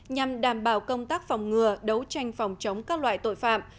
nhằm đảm bảo công tác phòng ngừa đấu tranh phòng chống các loại tội phạm